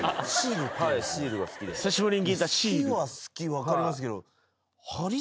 分かりますけど。